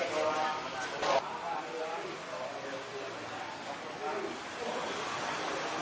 ก็อยากได้เลย